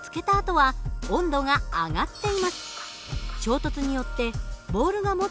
はい。